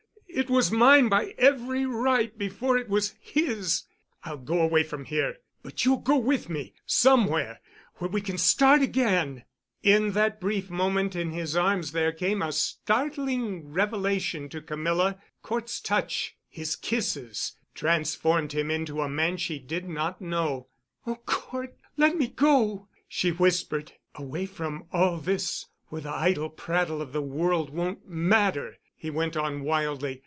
It was mine by every right before it was his. I'll go away from here—but you'll go with me—somewhere, where we can start again——" In that brief moment in his arms there came a startling revelation to Camilla. Cort's touch—his kisses—transformed him into a man she did not know. "Oh, Cort! Let me go!" she whispered. "Away from all this where the idle prattle of the world won't matter," he went on wildly.